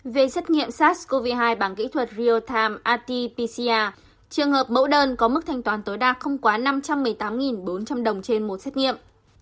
về xét nghiệm sars cov hai bằng kỹ thuật real time rt pcr trường hợp mẫu đơn có mức thanh toán tối đa không quá năm trăm một mươi tám bốn trăm linh đồng trên một xét nghiệm